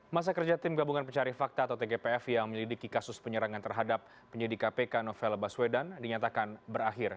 masa kerja tim gabungan pencari fakta atau tgpf yang menyelidiki kasus penyerangan terhadap penyidik kpk novel baswedan dinyatakan berakhir